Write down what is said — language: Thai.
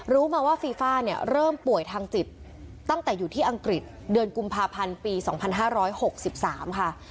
รู้มาว่าฟีฟ่าเนี่ยเริ่มป่วยทางจิตตั้งแต่อยู่ที่อังกฤษเดือนกุมภาพันธ์ปี๒๕๖๓ค่ะ